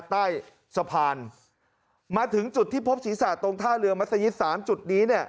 ใต้สภานมาถึงจุดที่พบศศาสตร์ตรงท่าเรือมัศยีสต์๓จุดนี้แน่